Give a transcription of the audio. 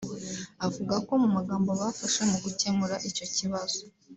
avuga ko mu ngamba bafashe mu gukemura icyo kibazo